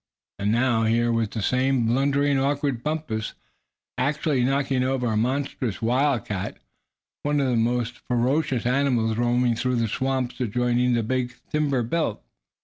And now, here was this same blundering, awkward Bumpus, actually knocking over a monstrous wildcat, one of the most ferocious animals roaming through the swamps adjoining the big timber belt.